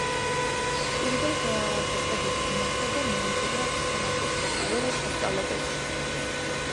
პირველდაწყებითი განათლება მიუღია სენაკის სასულიერო სასწავლებელში.